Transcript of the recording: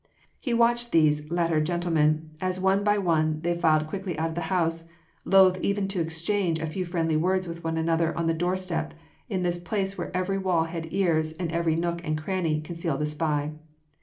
He watched these latter gentlemen as one by one they filed quickly out of the house loath even to exchange a few friendly words with one another on the doorstep in this place where every wall had ears and every nook and cranny concealed a spy.